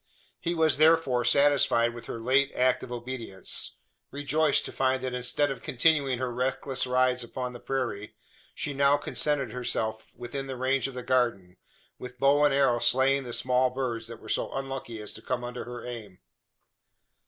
He was, therefore, satisfied with her late act of obedience rejoiced to find that instead of continuing her reckless rides upon the prairie, she now contented herself within the range of the garden with bow and arrow slaying the small birds that were so unlucky as to come under her aim.